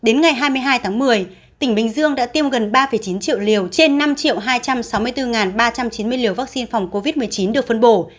đến ngày hai mươi hai tháng một mươi tỉnh bình dương đã tiêm gần ba chín triệu liều trên năm hai trăm sáu mươi bốn ba trăm chín mươi liều vaccine phòng covid một mươi chín được phân bổ